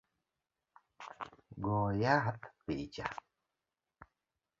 Go yath picha